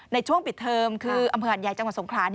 ในช่วงปิดเทอมคืออำเภอหัดใหญ่จังหวัดสงขลา